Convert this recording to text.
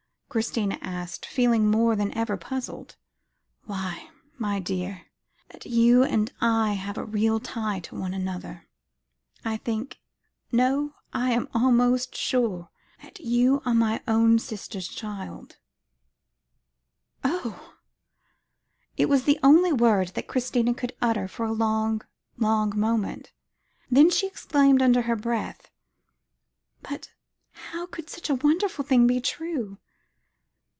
Christina asked, feeling more than ever puzzled. "Why my dear that you and I have a real tie to one another. I think no, I am almost sure that you are my own sister's child." "Oh!" It was the only word that Christina could utter for a long, long moment; then she exclaimed under her breath, "But how could such a wonderful thing be true?